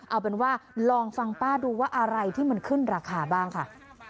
เอาเป็นว่าลองฟังป้าดูว่าอะไรที่มันขึ้นราคาบ้างค่ะ